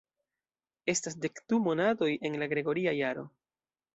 Estas dek du monatoj en la gregoria jaro.